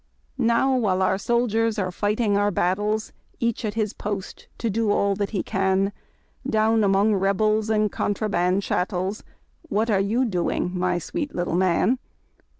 Now while our soldiers are fighting our battles, Each at his post to do all that he can, Down among Rebels and contraband chattels, What are you doing, my sweet little man?